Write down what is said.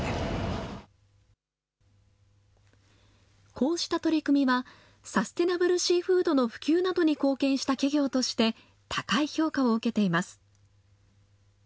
こうした取り組みは、サステナブルシーフードの普及などに貢献した企業として、高い評価を受けています。